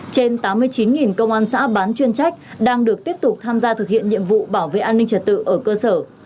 trên tám mươi chín công an xã bán chuyên trách đang được tiếp tục tham gia thực hiện nhiệm vụ bảo vệ an ninh trật tự ở cơ sở